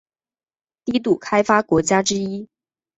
低度开发国家之一。